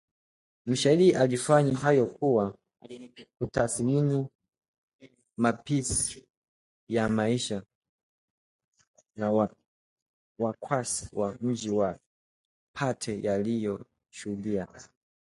Mshairi aliyafanya hayo kwa kutathmini mapisi ya maisha ya wakwasi wa mji wa Pate aliyoyashuhudia